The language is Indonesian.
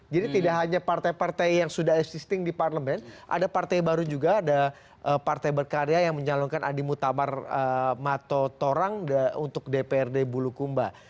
jadi tidak hanya partai partai yang sudah existing di parlemen ada partai baru juga ada partai berkarya yang menyalurkan adi mutamar mato torang untuk dprd bulukumba